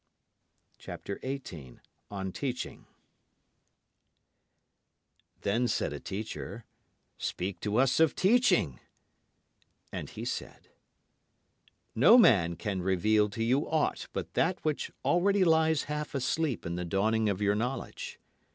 [Illustration: 0083] Then said a teacher, Speak to us of Teaching. And he said: "No man can reveal to you aught but that which already lies half asleep in the dawning of your knowledge.